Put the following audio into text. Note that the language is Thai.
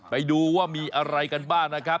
ไปดูว่ามีอะไรกันบ้างนะครับ